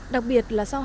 đặc biệt là sau hai năm